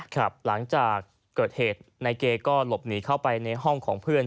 หลังจากเกิดเหตุนายเกก็หลบหนีเข้าไปในห้องของเพื่อน